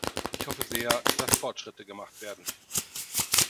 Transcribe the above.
Ich hoffe sehr, dass Fortschritte gemacht werden.